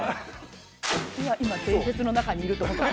今伝説の中にいると思った。